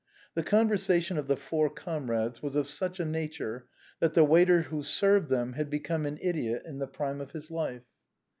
The conversation of the four comrades was of such a nature that the waiter who served them had become an idiot in the prime of his life.